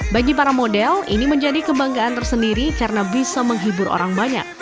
bagi para model ini menjadi kebanggaan tersendiri karena bisa menghibur orang banyak